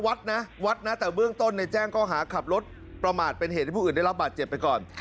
วัดนะวัดนะแต่เบื้องต้นในแจ้งข้อหาขับรถประมาทเป็นเหตุให้ผู้อื่นได้รับบาดเจ็บไปก่อน